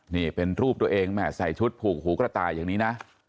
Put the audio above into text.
นี่เป็นรูปตัวเองแหม่ใส่ชุดผูกหูกระต่ายอย่างนี้นะ